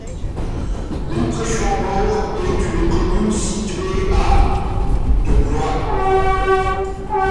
Mont-près-Chambord est une commune située à de Blois.